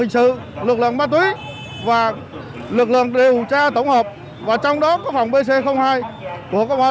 hình sự lực lượng móc túi và lực lượng điều tra tổng hợp và trong đó có phòng pc hai của công an